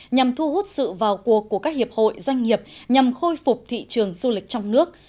nhằm thu hút sự vào cuộc của các hiệp hội doanh nghiệp nhằm khôi phục thị trường du lịch trong nước